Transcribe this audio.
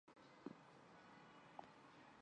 串钱柳这名字得名于它独特的果实。